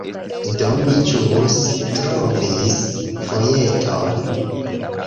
Do, mi ĵus trovis vojeton